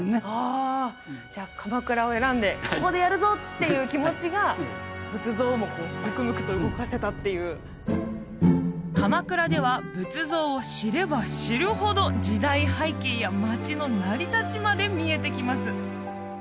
あじゃあ鎌倉を選んでここでやるぞっていう気持ちが仏像をもこうむくむくと動かせたっていう鎌倉では仏像を知れば知るほど時代背景や街の成り立ちまで見えてきます